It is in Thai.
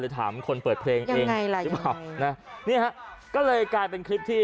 หรือถามคนเปิดเพลงเองยังไงล่ะยังไงนี่ฮะก็เลยกลายเป็นคลิปที่